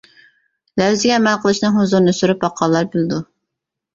لەۋزىگە ئەمەل قىلىشنىڭ ھۇزۇرىنى سۈرۈپ باققانلار بىلىدۇ.